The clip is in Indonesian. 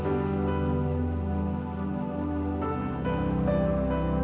karena semua usaha kamu bakalan jadi percuma